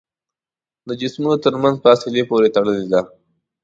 د جسمونو تر منځ فاصلې پورې تړلې ده.